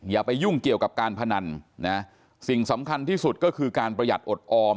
อย่าไปยุ่งเกี่ยวกับการพนันนะสิ่งสำคัญที่สุดก็คือการประหยัดอดออม